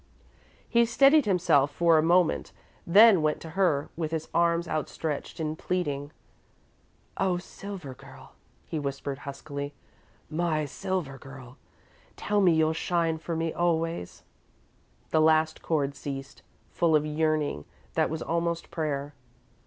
He steadied himself for a moment, then went to her, with his arms outstretched in pleading. "Oh, Silver Girl," he whispered, huskily. "My Silver Girl! Tell me you'll shine for me always!" [Illustration: musical notation.] The last chord ceased, full of yearning that was almost prayer.